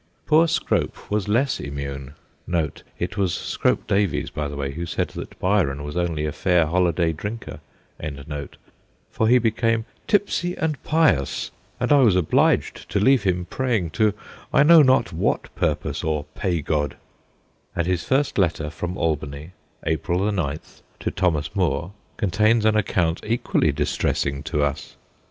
Poor Scrope was less immune (it was Scrope Davies, by the way, who said that Byron was only 'a fair holiday drinker'), for he became ' tipsy and pious, and I was obliged to leave him praying to I know not what purpose or pagod/ And his first letter from Albany, April 9, to Thomas Moore, con tains an account equally distressing to us.